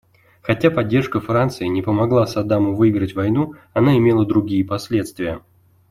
Хотя поддержка Франции не помогла Саддаму выиграть войну, она имела другие последствия.